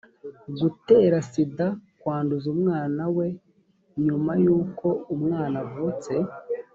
gatera sida kwanduza umwana we nyuma y uko umwana avutse